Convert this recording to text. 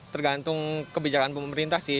tergantung kebijakan pemerintah sih